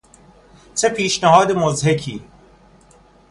چه پیشنهاد مضحکی!